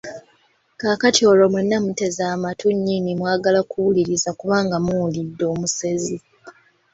Kaakati olwo mwenna muteze amatu nnyini mwagala okuwuliriza kubanga muwulidde omusezi.